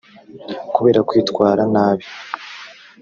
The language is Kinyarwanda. kubera kwitwara nabi